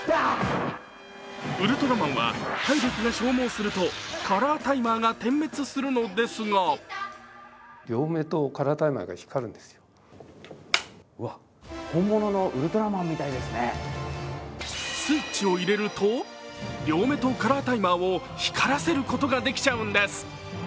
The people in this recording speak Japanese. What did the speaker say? ウルトラマンは体力が消耗するとカラータイマーが点滅するのですがスイッチを入れると両目とカラータイマーを光らせることができちゃうんです。